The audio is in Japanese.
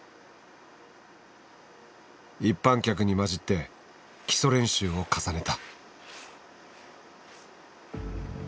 一般客に交じって基礎練習を重ねた。